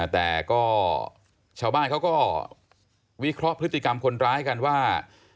แต่ก็ชาวบ้านเขาก็วิเคราะห์พฤติกรรมคนร้ายกันว่า